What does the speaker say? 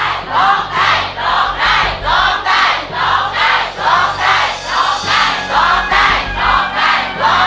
ล้มได้ล้มได้ล้มได้ล้มได้